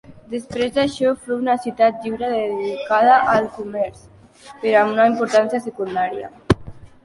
Després d'això, fou una ciutat lliure, dedicada al comerç, però amb una importància secundària.